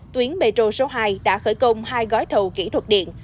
tuyến metro số hai đã khởi công hai gói thầu kỹ thuật điện